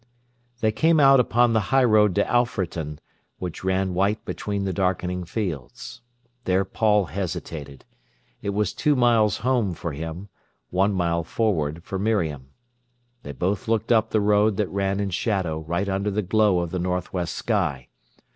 They came out upon the high road to Alfreton, which ran white between the darkening fields. There Paul hesitated. It was two miles home for him, one mile forward for Miriam. They both looked up the road that ran in shadow right under the glow of the north west sky.